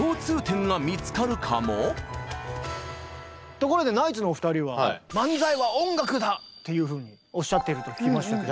ところでナイツのお二人はっていうふうにおっしゃってると聞きましたけど。